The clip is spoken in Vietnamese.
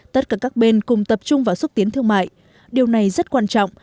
tất cả các bên cùng tập trung vào xúc tiến thương mại điều này rất quan trọng